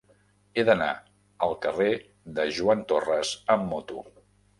He d'anar al carrer de Joan Torras amb moto.